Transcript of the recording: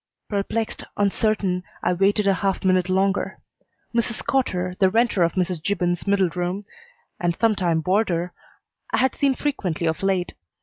Perplexed, uncertain, I waited a half minute longer. Mrs. Cotter, the renter of Mrs. Gibbons's middle room, and sometime boarder, I had seen frequently of late.